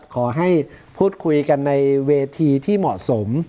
ขอให้พูดคุยกันในเวทีที่เหมาะสม